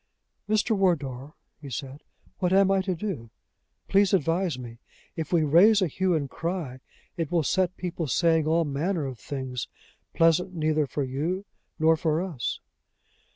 "Mr. Wardour," he said, "what am I to do? Please advise me. If we raise a hue and cry, it will set people saying all manner of things, pleasant neither for you nor for us."